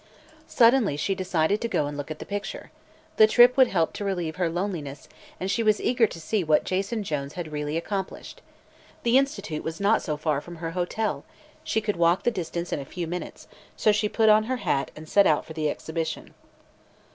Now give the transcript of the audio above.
Suddenly she decided to go and look at the picture. The trip would help to relieve her loneliness and she was eager to see what Jason Jones had really accomplished. The Institute was not far from her hotel; she could walk the distance in a few minutes; so she put on her hat and set out for the exhibition.